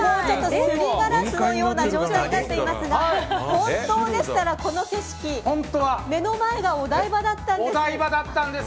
すりガラスのような状態になっていますが本当でしたら、この景色目の前がお台場だったんです。